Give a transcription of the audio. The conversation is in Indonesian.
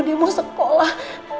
dia mau sekolah